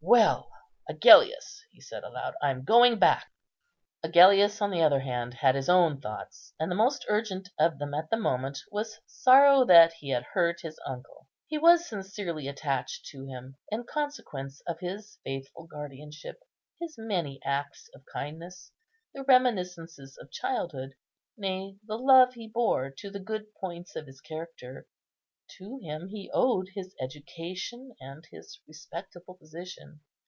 Well Agellius," he said aloud, "I'm going back." Agellius, on the other hand, had his own thoughts; and the most urgent of them at the moment was sorrow that he had hurt his uncle. He was sincerely attached to him, in consequence of his faithful guardianship, his many acts of kindness, the reminiscences of childhood, nay, the love he bore to the good points of his character. To him he owed his education and his respectable position.